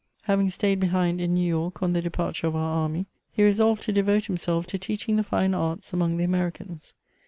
Having stayed behind in New York on the departure of our army, he resolved to devote himself to teaching the fine arts among the Americans.